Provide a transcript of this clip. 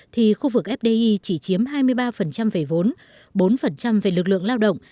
thì khu vực fdi chỉ chiếm hai mươi ba về vốn bốn về lực lượng lao động